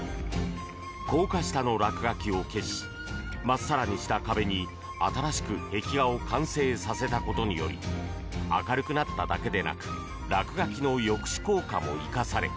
高架下の落書きを消しまっさらにした壁に新しく壁画を完成させたことにより明るくなっただけでなく落書きの抑止効果も生かされ。